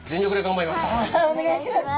お願いします。